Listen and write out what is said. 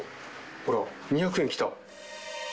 ほら、２００円来た。